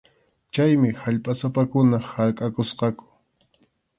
Chaymi allpasapakuna harkʼakusqaku.